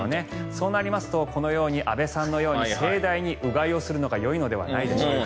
そうなりますと、このように安部さんのように盛大にうがいをするのがよいのではないでしょうか。